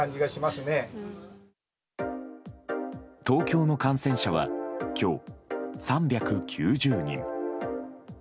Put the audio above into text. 東京の感染者は今日３９０人。